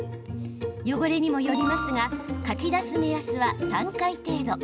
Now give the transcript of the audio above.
汚れにもよりますがかき出す目安は３回程度。